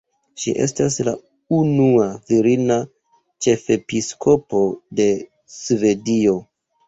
Ŝi estas la unua virina ĉefepiskopo de Svedio.